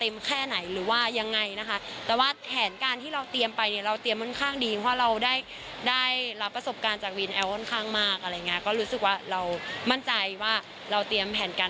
และเรามั่นใจว่าเราเตรียมแผนการไปได้ดี